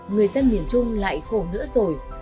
người dân miền trung lại khổ nữa rồi